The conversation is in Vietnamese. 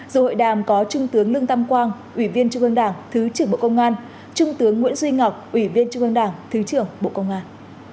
dù hội đàm có trung tướng lương tam quang ủy viên trung ương đảng thứ trưởng bộ công an trung tướng nguyễn duy ngọc ủy viên trung ương đảng thứ trưởng bộ công an